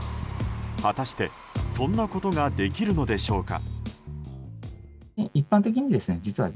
果たして、そんなことができるのでしょうか。